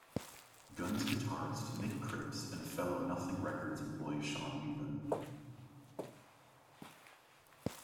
Guns guitarist Mick Cripps and fellow Nothing Records employee Sean Beavan.